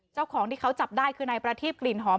เจ้าของที่เขาจับได้คือนายประทีบกลิ่นหอม